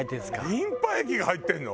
リンパ液が入ってるの？